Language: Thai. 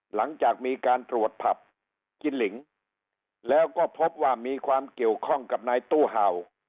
หลังจากมีการตรวจผับกินหลิงแล้วก็พบว่ามีความเกี่ยวข้องกับนายตู้เห่า